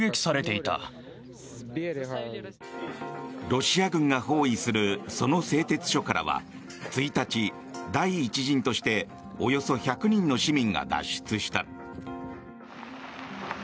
ロシア軍が包囲するその製鉄所からは１日、第１陣としておよそ１００人の市民が脱出した。